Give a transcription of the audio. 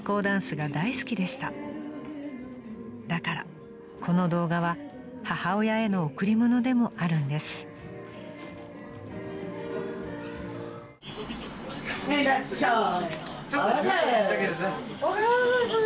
［だからこの動画は母親への贈り物でもあるんです］へいらっしゃい。